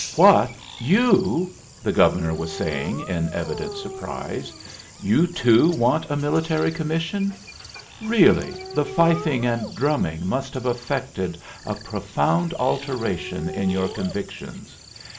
"What! you?" the Governor was saying in evident surprise "you too want a military commission? Really, the fifing and drumming must have effected a profound alteration in your convictions.